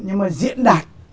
nhưng mà diễn đạt